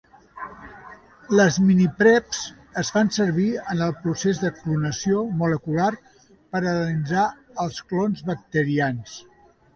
Les minipreps es fan servir en el procés de clonació molecular per analitzar els clons bacterians.